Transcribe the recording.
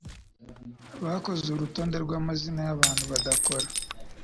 Bakoze urutonde rwamazina yabantu badakora